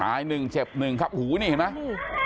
ตาย๑เจ็บ๑ครับหูววนี่เห็นมั้ย